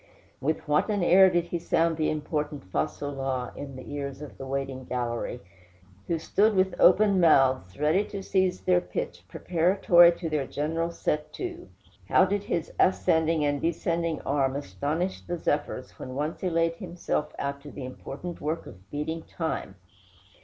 With what an air did he sound the important fa sol la in the ears of the waiting gallery, who stood with open mouths ready to seize their pitch, preparatory to their general set to! How did his ascending and descending arm astonish the zephyrs when once he laid himself out to the important work of beating time!